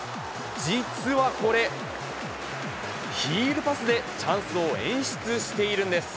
実はこれ、ヒールパスでチャンスを演出しているんです。